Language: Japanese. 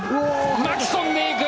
巻き込んでいく！